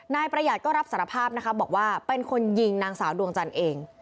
นายประหยัดก็รับสารภาพนะคะบอกว่าเป็นคนยิงนางสาวดวงจันทร์เอง